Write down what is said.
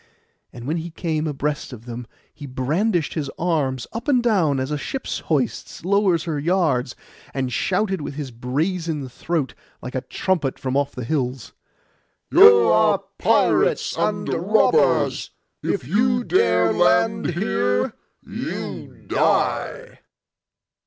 And when he came abreast of them he brandished his arms up and down, as a ship hoists and lowers her yards, and shouted with his brazen throat like a trumpet from off the hills, 'You are pirates, you are robbers! If you dare land here, you die.